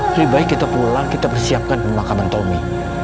lebih baik kita pulang kita persiapkan pemakaman tommy